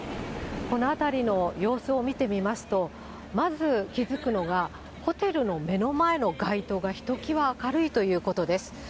この辺りの様子を見てみますと、まず気付くのが、ホテルの目の前の街灯がひと際明るいということです。